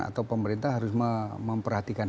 atau pemerintah harus memperhatikan